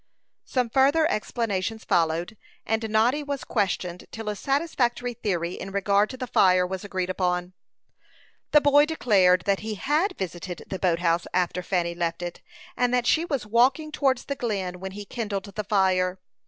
Some further explanations followed, and Noddy was questioned till a satisfactory theory in regard to the fire was agreed upon. The boy declared that he had visited the boat house after Fanny left it, and that she was walking towards the Glen when he kindled the fire.